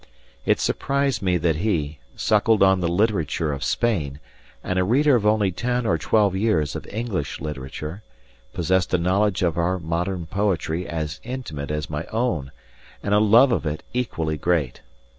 It surprised me that he, suckled on the literature of Spain, and a reader of only ten or twelve years of English literature, possessed a knowledge of our modern poetry as intimate as my own, and a love of it equally great.